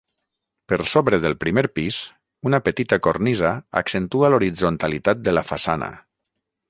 Per sobre del primer pis una petita cornisa accentua l'horitzontalitat de la façana.